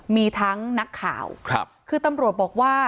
มีทั้งนักข่าวคือตำรวจบอกว่า